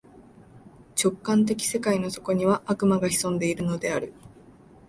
直観的世界の底には、悪魔が潜んでいるのである。